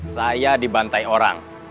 saya dibantai orang